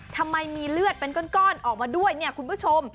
ทำไมมีเลือดเป็นก้อนออกมาด้วยเนี่ยคุณผู้ชม